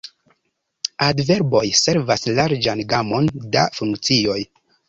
Adverboj servas larĝan gamon da funkcioj.